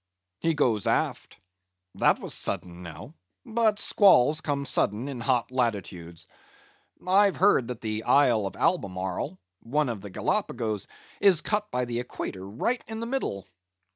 "He goes aft. That was sudden, now; but squalls come sudden in hot latitudes. I've heard that the Isle of Albemarle, one of the Gallipagos, is cut by the Equator right in the middle.